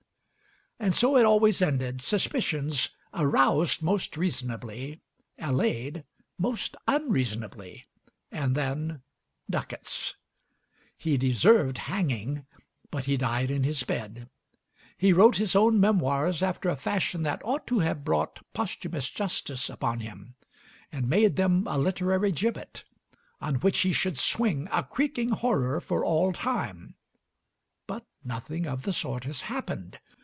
And so it always ended: suspicions, aroused most reasonably, allayed most unreasonably, and then ducats. He deserved hanging, but he died in his bed. He wrote his own memoirs after a fashion that ought to have brought posthumous justice upon him, and made them a literary gibbet, on which he should swing, a creaking horror, for all time; but nothing of the sort has happened.